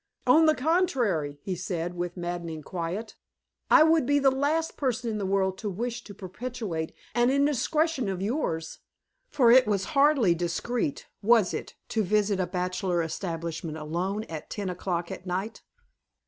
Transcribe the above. "On the contrary," he said, with maddening quiet, "I would be the last person in the world to wish to perpetuate an indiscretion of yours. For it was hardly discreet, was it, to visit a bachelor establishment alone at ten o'clock at night?